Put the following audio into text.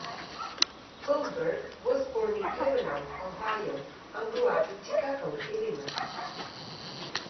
Goldberg was born in Cleveland, Ohio, and grew up in Chicago, Illinois.